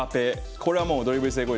これはドリブル成功率